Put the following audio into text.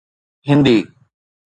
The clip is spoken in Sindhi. هندي